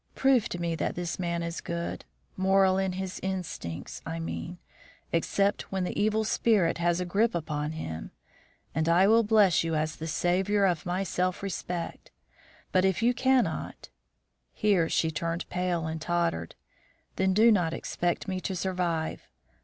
Prove to me that this man is good moral in his instincts, I mean, except when the evil spirit has a grip upon him and I will bless you as the saviour of my self respect. But if you cannot, " here she turned pale and tottered, "then do not expect me to survive.